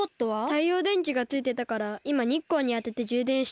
たいようでんちがついてたからいまにっこうにあててじゅうでんしてる。